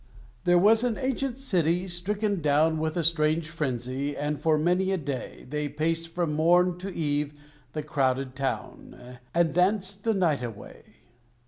There was an ancient City, stricken down With a strange frenzy, and for many a day They paced from morn to eve the crowded town, And danced the night away.